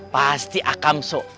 pasti akan so